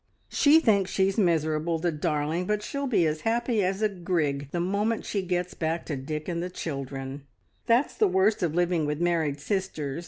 "She thinks she's miserable, the darling, but she'll be as happy as a grig the moment she gets back to Dick and the children. That's the worst of living with married sisters!